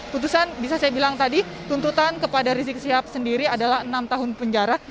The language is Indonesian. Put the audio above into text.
putusan bisa saya bilang tadi tuntutan kepada rizik sihab sendiri adalah enam tahun penjara